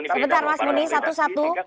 sebentar mas muni satu satu